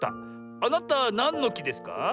あなたなんのきですか？